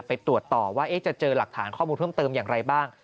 ไปตรวจต่อว่าจะเจอหลักฐานข้อมูลเพิ่มเติมอย่างไรบ้าง